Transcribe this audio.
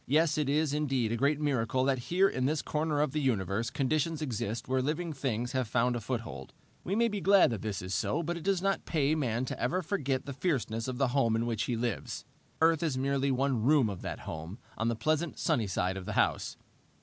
Yes, it is indeed a great miracle that here in this corner of the universe conditions exist where living things have found a foothold. We may be glad that this is so, but it does not pay man to ever forget the fierceness of the home in which he lives. Earth is merely one room of that home, on the pleasant, sunny side of the house.